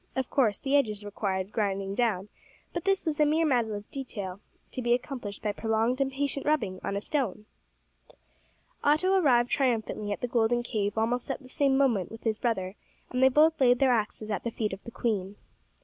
Of course the edges required grinding down, but this was a mere matter of detail, to be accomplished by prolonged and patient rubbing on a stone! Otto arrived triumphantly at the golden cave almost at the same moment with his brother, and they both laid their axes at the feet of the queen.